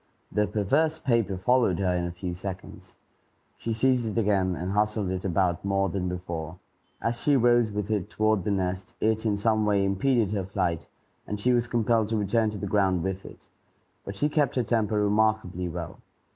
The perverse paper followed her in a few seconds. She seized it again, and hustled it about more than before. As she rose with it toward the nest, it in some way impeded her flight, and she was compelled to return to the ground with it. But she kept her temper remarkably well.